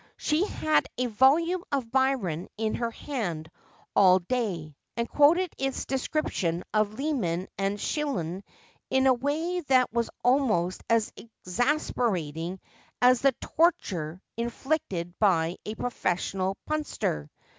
She had a volume of Byron in her hand all day, and quoted his description of Leman and Chillon in a way that was almost as exasperating as the torture inflicted by a professional punster.